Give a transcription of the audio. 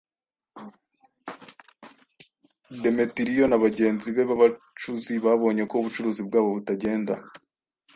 Demetiriyo na bagenzi be b’abacuzi babonye ko ubucuruzi bwabo butagenda